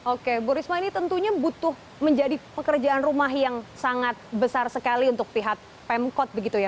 oke bu risma ini tentunya butuh menjadi pekerjaan rumah yang sangat besar sekali untuk pihak pemkot begitu ya